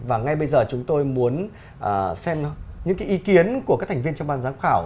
và ngay bây giờ chúng tôi muốn xem những cái ý kiến của các thành viên trong ban giám khảo